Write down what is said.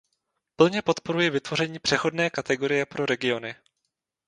Plně podporuji vytvoření přechodné kategorie pro regiony.